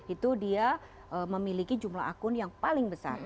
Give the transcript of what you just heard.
itu dia memiliki jumlah akun yang paling besar